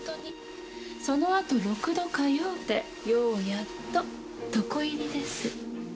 そのあと六度通うてようやっと床入りです。